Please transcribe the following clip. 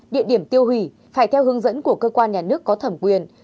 địa điểm tiêu hủy phải theo hướng dẫn của cơ quan nhà nước có thẩm quyền